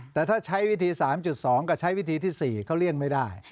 แต่ถ้าใช้วิธี๓๒ก็ใช้วิธีที่๔ไม่ได้